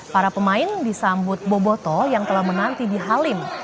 para pemain disambut boboto yang telah menanti di halim